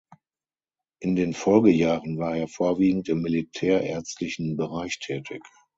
In den Folgejahren war er vorwiegend im militärärztlichen Bereich tätig.